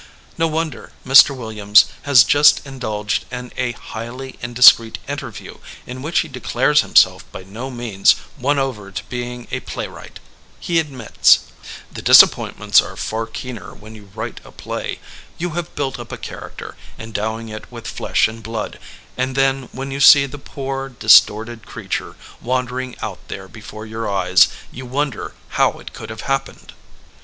No wonder Mr. Williams has just in dulged in a highly indiscreet interview in which he declares himself by no means won over to being a playwright ! He admits : "The disappointments are far keener when you write a play. You have built up a character, endowing it with flesh and blood, and then when you see the poor distorted creature wandering out there before your eyes, you wonder how it could have happened."